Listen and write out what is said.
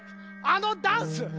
あのダンス！